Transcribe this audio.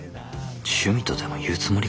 趣味とでも言うつもりか？